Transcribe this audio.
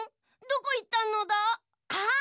どこいったのだ？あっ！